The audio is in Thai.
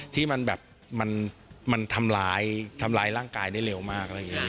ที่มันแบบมันทำร้ายร่างกายได้เร็วมาก